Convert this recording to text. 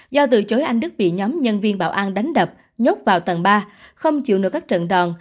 do từ chối anh đức bị nhóm nhân viên bảo an đánh đập nhốt vào tầng ba không chịu nổi các trận đòn